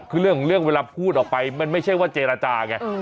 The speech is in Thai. คือเรื่องของเรื่องเวลาพูดออกไปมันไม่ใช่ว่าเจรจาไง